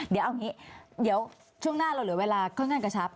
เดี๋ยวช่วงหน้าเราเหลือเวลาค่อนข้างกระชับ